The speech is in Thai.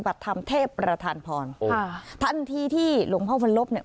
บัตรธรรมเทพประธานพรค่ะท่านที่ที่หลวงพ่อพันลบเนี่ย